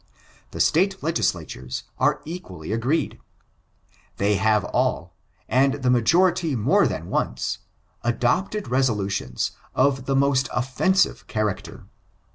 The State legislatures are equally agreed. They have all, and the majority more than once, adopted resolutions of the most offensive character.